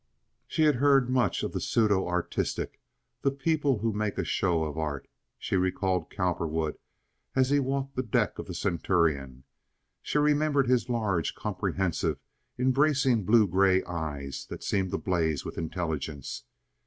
She had heard much of the pseudo artistic—the people who made a show of art. She recalled Cowperwood as he walked the deck of the Centurion. She remembered his large, comprehensive, embracing blue gray eyes that seemed to blaze with intelligence.